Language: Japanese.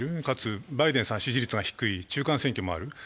かつバイデンさんは支持率が低い、中間選挙もある。